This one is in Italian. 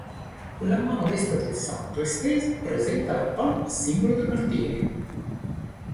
La mano destra del santo, estesa, presenta la palma simbolo del martirio.